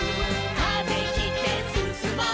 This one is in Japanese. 「風切ってすすもう」